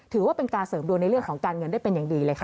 ถือว่าเป็นการเสริมดวงในเรื่องของการเงินได้เป็นอย่างดีเลยค่ะ